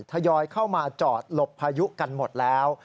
ทยอยเข้ามาจอดหลบพายุกันหมดแล้ว